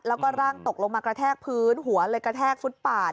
แล้วก็ร่างตกลงมากระแทกพื้นหัวเลยกระแทกฟุตปาด